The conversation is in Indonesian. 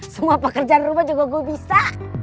semua pekerjaan rumah juga gue bisa